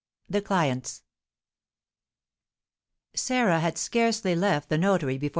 Sarah had scarcely left the notary before M.